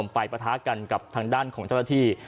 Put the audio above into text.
ไปปะทะกันกับทางด้านของเจ้าหน้าที่